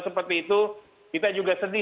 seperti itu kita juga sedih